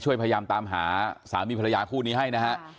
ช่วยพยายามตามหาสามีภรรยาคู่นี้ให้นะครับ